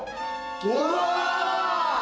うわ！